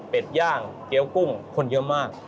เป็นย่างเกี้ยวกุ้งคนเยอะมาก